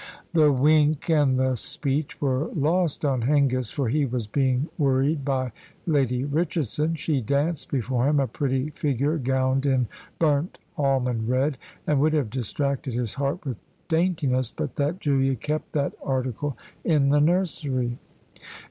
The wink and the speech were lost on Hengist, for he was being worried by Lady Richardson. She danced before him, a pretty figure gowned in burnt almond red, and would have distracted his heart with daintiness but that Julia kept that article in the nursery.